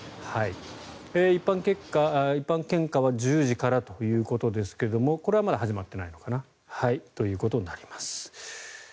一般献花は１０時からということですがこれはまだ始まっていないということになります。